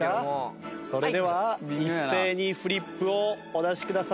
それでは一斉にフリップをお出しください。